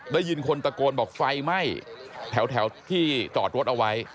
ได้ยินคนตะโกนบอกไฟไหม้แถวที่จอดรถเอาไว้